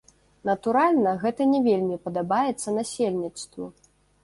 Натуральна, гэта не вельмі падабаецца насельніцтву.